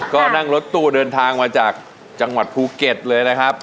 ก็นั่งรถตู้เดินทางมาจากจังหวัดภูเก็ตเลยนะครับ